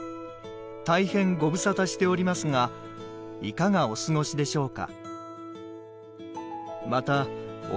大変ご無沙汰しておりますがいかがお過ごしでしょうか」